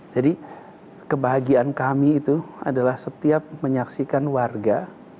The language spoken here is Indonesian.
jadi kebahagiaan kami itu adalah setiap menyaksikan warga